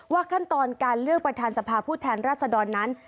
ขั้นตอนการเลือกประธานสภาผู้แทนรัศดรนั้น